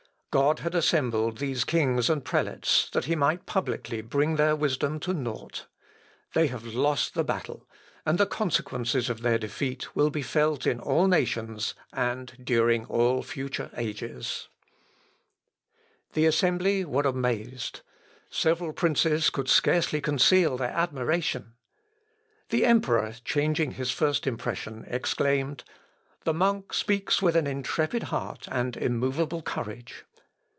God had assembled these kings and prelates that he might publicly bring their wisdom to nought. They have lost the battle, and the consequences of their defeat will be felt in all nations, and during all future ages. [Sidenote: LUTHER VICTORIOUS.] The assembly were amazed. Several princes could scarcely conceal their admiration. The emperor, changing his first impression, exclaimed, "The monk speaks with an intrepid heart and immovable courage."